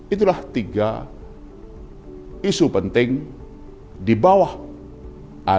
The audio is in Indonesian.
itulah tiga isu penting di bawah